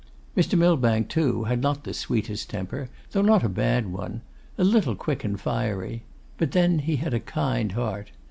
Mr. Millbank, too, had not the sweetest temper, though not a bad one; a little quick and fiery. But then he had a kind heart.